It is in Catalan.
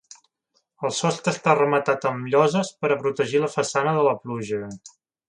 El sostre està rematat amb lloses per a protegir la façana de la pluja.